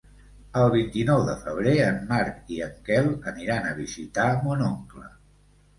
El vint-i-nou de febrer en Marc i en Quel aniran a visitar mon oncle.